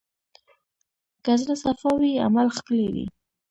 که زړه صفا وي، عمل ښکلی وي.